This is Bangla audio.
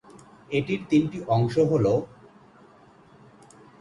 এটির তিনটি অংশ হল-